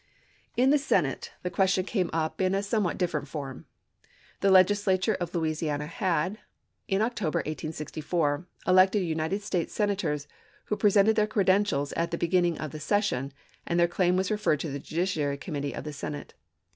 In the Senate the question came up in a some what different form. The Legislature of Louisiana had, in October, 1864, elected United States Sena tors who presented their credentials at the begin ning of the session, and their claim was referred to the judiciary committee of the Senate.